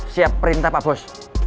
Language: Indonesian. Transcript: siap perintah pak bos